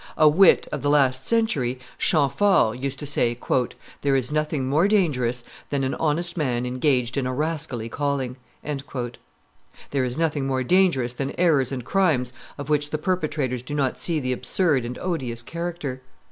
A wit of the last century, Champfort, used to say, "There is nothing more dangerous than an honest man engaged in a rascally calling." There is nothing more dangerous than errors and crimes of which the perpetrators do not see the absurd and odious character.